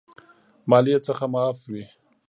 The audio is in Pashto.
مالیې څخه معاف وي.